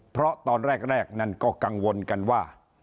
เพราะตอนแรกนั่นก็กังวลกันว่า